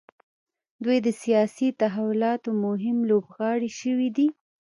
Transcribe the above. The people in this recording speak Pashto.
دوی د سیاسي تحولاتو مهم لوبغاړي شوي دي.